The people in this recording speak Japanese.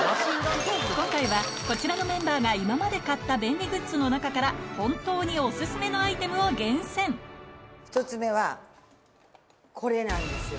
今回はこちらのメンバーが今まで買った便利グッズの中から本当に１つ目はこれなんですよ。